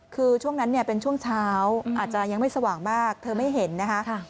คือช่วงนั้นเนี่ยเป็นช่วงเช้าอาจจะยังไม่สว่างมากเธอไม่เห็นนะคะ